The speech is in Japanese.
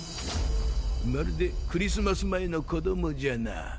まるでクリスマス前の子どもじゃな。